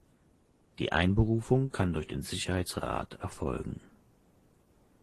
Die Einberufung kann durch den Sicherheitsrat erfolgen.